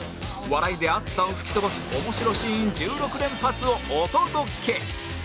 笑いで暑さを吹き飛ばす面白シーン１６連発をお届け